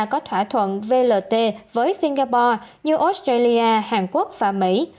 có thỏa thuận vlt với singapore như australia hàn quốc và mỹ